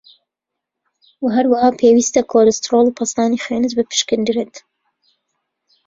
وه هەروەها پێویسته کۆلسترۆڵ و پەستانی خوێنت بپشکێندرێت